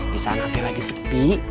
di sana aku lagi sepi